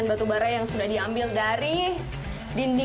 boleh dicoba ini pengambilannya seperti ini